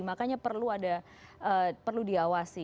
makanya perlu ada perlu diawasi